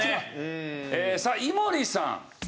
さあ井森さん。